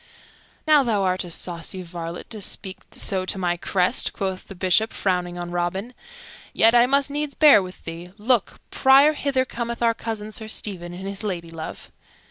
"Now, thou art a saucy varlet to speak so to my crest," quoth the Bishop, frowning on Robin. "Yet, I must needs bear with thee. Look, Prior, hither cometh our cousin Sir Stephen, and his ladylove."